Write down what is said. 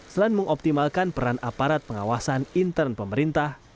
selain mengoptimalkan peran aparat pengawasan intern pemerintah